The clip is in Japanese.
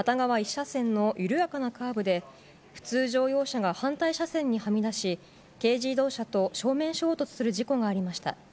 １車線の緩やかなカーブで、普通乗用車が反対車線にはみ出し、軽自動車と正面衝突する事故がありました。